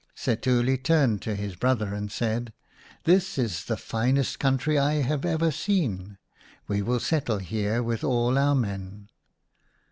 Setuli turned to his brother and said, "This is the finest country I have ever seen. We will settle here with all our men."